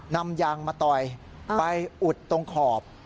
นำยางมาต่อยไปอุดตรงขอบ